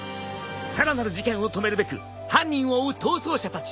さらなる事件を止めるべく犯人を追う逃走者たち。